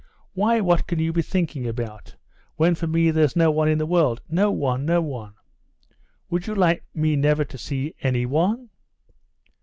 "Why, what can you be thinking about! When for me there's no one in the world, no one, no one!... Would you like me never to see anyone?"